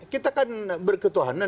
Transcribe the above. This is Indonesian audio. kita kan berketuhanan